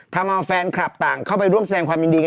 น้ำชาชีวนัทครับผมโพสต์ขอโทษทำเข้าใจผิดหวังคำเวพรเป็นจริงนะครับ